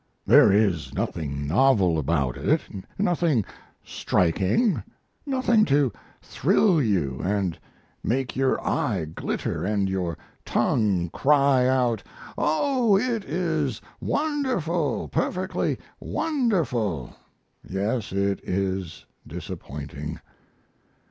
There is nothing novel about it, nothing striking, nothing to thrill you & make your eye glitter & your tongue cry out, "Oh, it is wonderful, perfectly wonderful!" Yes, it is disappointing.